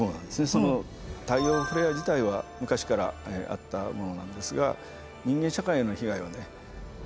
その太陽フレア自体は昔からあったものなんですが人間社会への被害はなかったんですね。